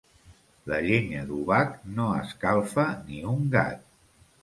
La llenya d'obac no escalfa ni un gat.